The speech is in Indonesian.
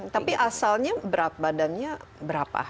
tapi asalnya badannya berapa